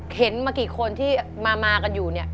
เห็นมากี่คนที่มากันอยู่เนี่ย